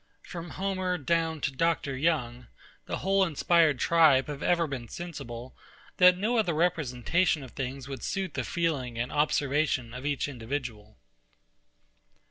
From Homer down to Dr. Young, the whole inspired tribe have ever been sensible, that no other representation of things would suit the feeling and observation of each individual.